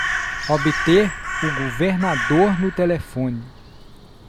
Obter o governador no telefone!